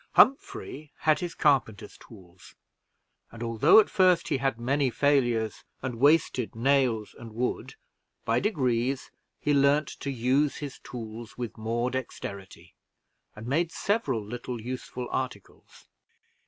Humphrey had his carpenters' tools; and although at first he had many failures, and wasted nails and wood, by degrees he learned to use his tools with more dexterity, and made several little useful articles.